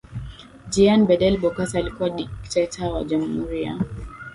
Jean Bedel Bokassa alikuwa dikteta wa Jamuhuri ya